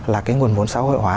là cái nguồn vốn xã hội hóa